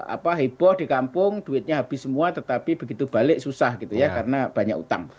apa heboh di kampung duitnya habis semua tetapi begitu balik susah gitu ya karena banyak utang